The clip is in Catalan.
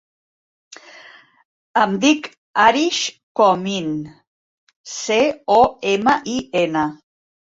Em dic Arij Comin: ce, o, ema, i, ena.